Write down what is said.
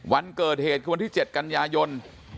วันเกิดเหตุคือวันที่๗กันยายน